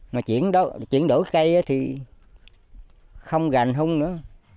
mà chuyển đổi cây thì không gành hung nữa